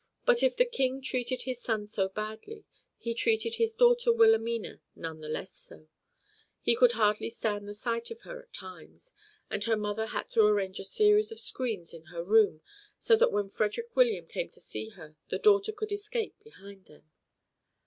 But if the King treated his son so badly, he treated his daughter Wilhelmina none the less so. He could hardly stand the sight of her at times, and her mother had to arrange a series of screens in her room so that when Frederick William came to see her the daughter could escape behind them.